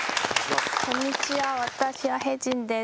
こんにちは私はヘジンです。